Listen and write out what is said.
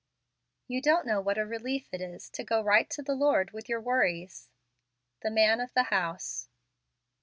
You don't know what a relief it is to go right to the Lord with your worries. The Man of the House.